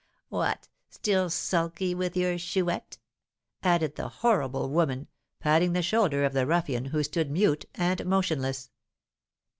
What, still sulky with your Chouette?" added the horrible woman, patting the shoulder of the ruffian, who stood mute and motionless.